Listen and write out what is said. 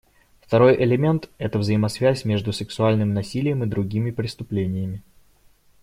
Второй элемент — это взаимозависимость между сексуальным насилием и другими преступлениями.